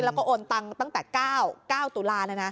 แล้วก็โอนตังค์ตั้งแต่๙ตุลาเลยนะ